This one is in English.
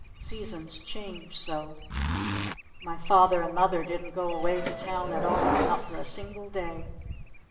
Seasons changed so. My father and mother didn't go away to town at all. Not for a single day.